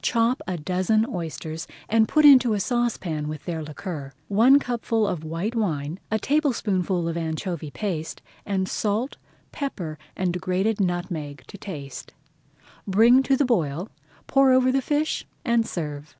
Chop a dozen oysters, and put into a saucepan with their liquor, one cupful of white wine, a tablespoonful of anchovy paste, and salt, pepper, and grated nutmeg to season. Bring to the boil, pour over the fish, and serve.